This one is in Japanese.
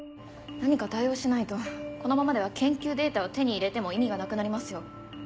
何か対応しないとこのままでは研究データを手に入れても意味がなくなりますよ。